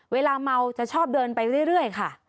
เวลาเมาจะชอบเดินไปเรื่อยค่ะ